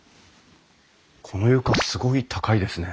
この床すごい高いですね。